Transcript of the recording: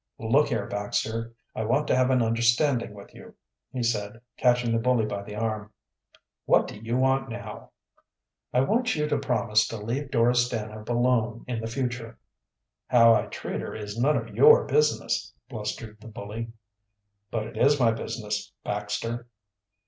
"Look here, Baxter, I want to have an understanding with you," he said, catching the bully by the arm. "What do you want now?" "I want you to promise to leave Dora Stanhope alone in the future." "How I treat her is none of your business," blustered the bully. "But it is my business, Baxter."